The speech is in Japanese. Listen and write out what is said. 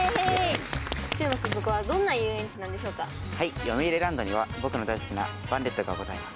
はいよみうりランドには僕の大好きなバンデットがございます。